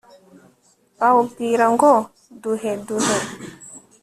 bawubwira ngo duhe, duhe